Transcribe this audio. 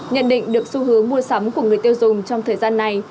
nhận định được xu hướng mua sắm của người tiêu dùng trong thời gian này